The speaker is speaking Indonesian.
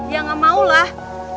ya nggak mau lah